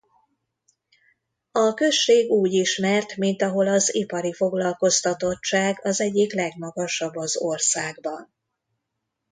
A község úgy ismert mint ahol az ipari foglalkoztatottság az egyik legmagasabb az országban.